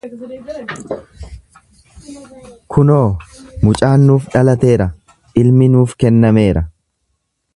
Kunoo, mucaan nuuf dhalateera, ilmi nuuf kennameera.